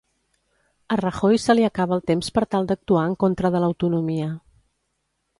A Rajoy se li acaba el temps per tal d'actuar en contra de l'autonomia.